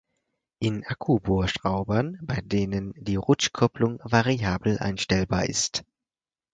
In Akku-Bohrschraubern, bei denen die Rutschkupplung variabel einstellbar ist.